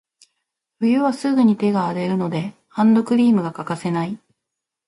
冬はすぐに手が荒れるので、ハンドクリームが欠かせない。